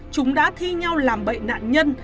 chúng đã thi nhau làm bậy nạn nhân